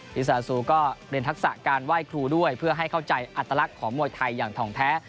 อิซาซูก็เรียนทักษะการไหว้ครูด้วยเพื่อให้เข้าใจอัตลักษณ์ของมวยไทยอย่างทองแท้